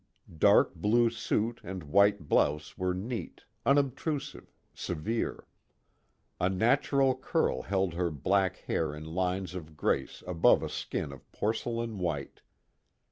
Dark blue suit and white blouse were neat, unobtrusive, severe. A natural curl held her black hair in lines of grace above a skin of porcelain white.